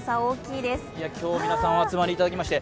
今日、皆さん、お集まりいただきまして。